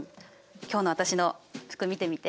今日の私の服見てみて。